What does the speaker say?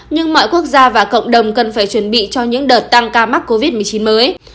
nhưng mọi quốc gia và cộng đồng cần phải chuẩn bị cho những đợt tăng ca mắc covid một mươi chín mới